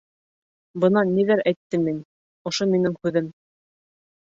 Бына ниҙәр әйттем мин, ошо минең һүҙем.